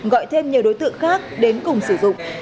gọi thêm nhiều đối tượng khác đến cùng sử dụng